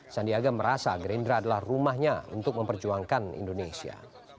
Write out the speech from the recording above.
sandiaga merasa gerindra adalah rumahnya untuk memperjuangkan indonesia